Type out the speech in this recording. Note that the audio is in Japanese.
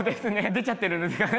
出ちゃってるんですかね。